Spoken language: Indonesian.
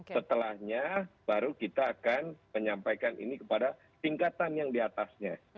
setelahnya baru kita akan menyampaikan ini kepada tingkatan yang diatasnya